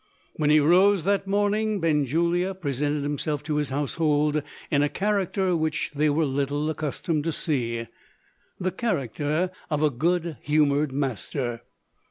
When he rose that morning, Benjulia presented himself to his household in a character which they were little accustomed to see the character of a good humoured master.